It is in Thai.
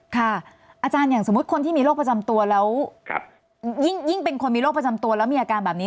อาจารย์อย่างสมมุติคนที่มีโรคประจำตัวแล้วยิ่งเป็นคนมีโรคประจำตัวแล้วมีอาการแบบนี้